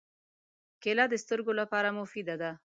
کېله د سترګو لپاره مفیده ده.